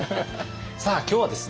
さあ今日はですね